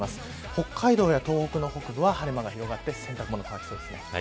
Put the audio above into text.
北海道や東北の北部は晴れ間が広がって洗濯物、乾きそうですね。